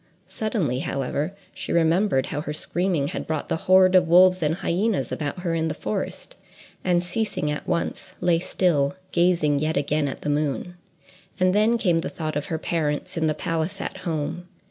Suddenly, however, she remembered how her screaming had brought the horde of wolves and hyenas about her in the forest, and, ceasing at once, lay still, gazing yet again at the moon. And then came the thought of her parents in the palace at home.